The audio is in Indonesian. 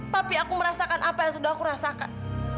tapi aku merasakan apa yang sudah aku rasakan